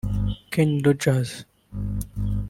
Kenny Rogers